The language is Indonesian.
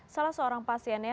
salah seorang pasiennya